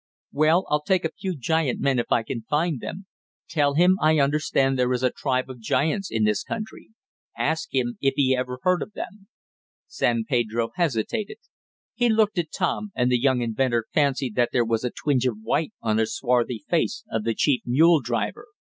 "Well, I'll take a few giant men if I can find them. Tell him I understand there is a tribe of giants in this country. Ask him if he ever heard of them." San Pedro hesitated. He looked at Tom, and the young inventor fancied that there was a tinge of white on the swarthy face of the chief mule driver.